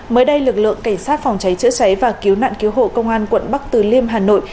mới đây lực lượng cảnh sát phòng cháy chữa cháy và cứu nạn cứu hộ công an quận bắc từ liêm hà nội